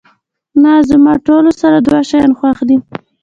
نه، زما ټول سره دوه شیان خوښ دي.